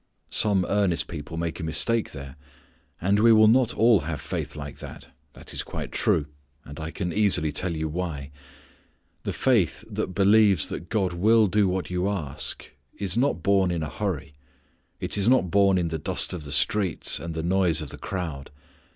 Some earnest people make a mistake there. And we will not all have faith like that. That is quite true, and I can easily tell you why. The faith that believes that God will do what you ask is not born in a hurry; it is not born in the dust of the street, and the noise of the crowd.